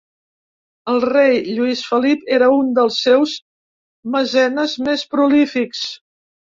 El rei Lluís Felip era un dels seus mecenes més prolífics.